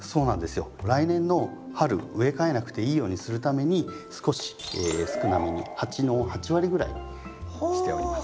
来年の春植え替えなくていいようにするために少し少なめに鉢の８割ぐらいにしております。